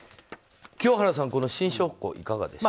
清原さん、この新証拠いかがでしょう？